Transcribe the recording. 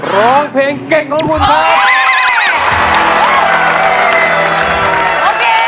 ร้องเพลงเก่งของคุณครับ